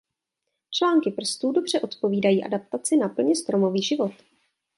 Články prstů dobře odpovídají adaptaci na plně stromový život.